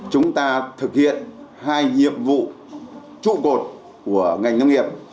chúng ta thực hiện hai nhiệm vụ trụ cột của ngành nông nghiệp